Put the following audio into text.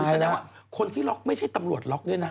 แสดงว่าคนที่ล็อกไม่ใช่ตำรวจล็อกด้วยนะ